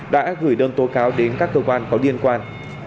đã gửi đơn tố cáo đến các cơ quan có liên quan